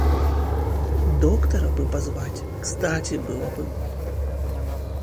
Доктора бы позвать, кстати было бы.